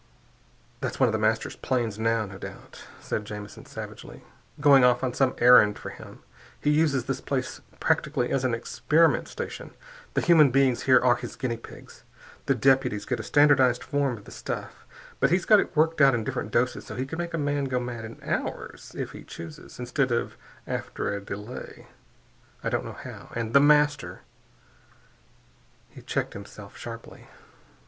"That's one of The Master's planes now, no doubt," said Jamison savagely, "going off on some errand for him. He uses this place practically as an experiment station. The human beings here are his guinea pigs. The deputies get a standardized form of the stuff, but he's got it worked out in different doses so he can make a man go mad in hours, if he chooses, instead of after a delay. I don't know how. And The Master "He checked himself sharply.